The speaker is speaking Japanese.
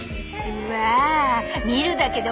うわ！